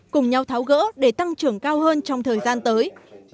cùng nhau tháo gỡ để tăng trưởng cao hơn trong thời gian tới